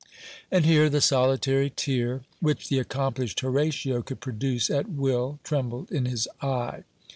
And here the solitary tear which the accomplished Horatio could produce at will trembled in his eye.